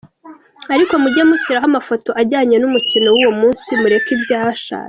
Ariko mujye mushyiraho amafoto ajyanye n’umukino w’uwo munsi mureke ibyashaje.